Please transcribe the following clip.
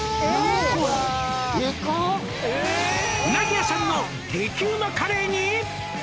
「うなぎ屋さんの激ウマカレーに」